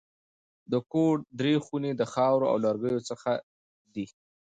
د کور درې خونې د خاورو او لرګیو څخه دي.